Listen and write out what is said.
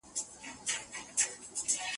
د لوستولو عادت زده کړه یوه مهمه اړتیا ده.